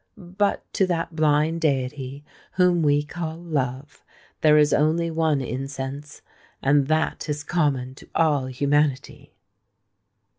But to that blind deity whom we call Love, there is only one incense—and that is common to all humanity!"